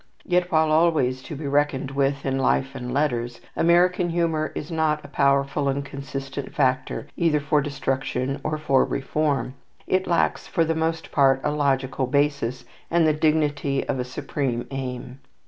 Yet while always to be reckoned with in life and letters, American humour is not a powerful and consistent factor either for destruction or for reform. It lacks, for the most part, a logical basis, and the dignity of a supreme aim.